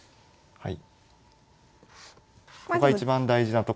はい。